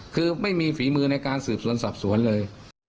คือไม่มีฝีมือในการสืบสวนสอบสวนเลย